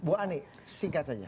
bu ani singkat saja